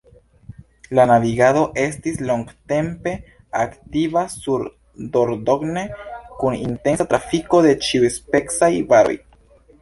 La navigado estis longtempe aktiva sur Dordogne, kun intensa trafiko de ĉiuspecaj varoj.